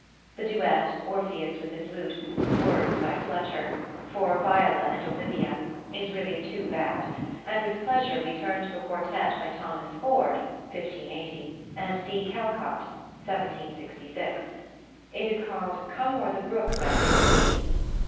The duet "Orpheus with his lute," words by Fletcher, for Viola and Olivia, is really too bad; and with pleasure we turn to a quartet by Thomas Ford (1580) and D. Calcott (1766). It is called "Come o'er the brook, Besse, to me."